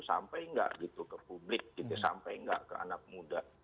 sampai nggak gitu ke publik gitu sampai nggak ke anak muda